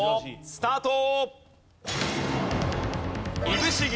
スタート。